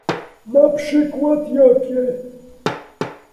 Na przykład jakie?